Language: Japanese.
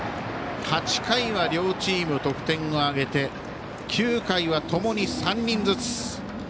８回は両チーム得点を挙げて９回はともに３人ずつ。